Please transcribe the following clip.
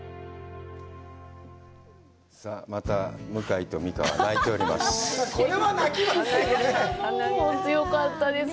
さあ、また向井と美佳は泣いております。